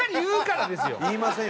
言いませんよ